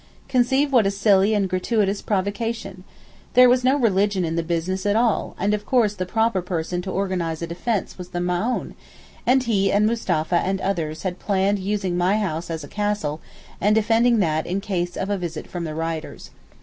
Conceive what a silly and gratuitous provocation! There was no religion in the business at all and of course the proper person to organize defence was the Maōhn, and he and Mustapha and others had planned using my house as a castle and defending that in case of a visit from the rioters.